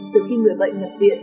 từ khi người bệnh nhập viện